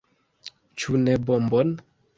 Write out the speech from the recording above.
Ĉu ne bombon?